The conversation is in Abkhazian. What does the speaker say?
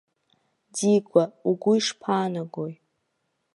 Дигәа, угәы ишԥаанагои?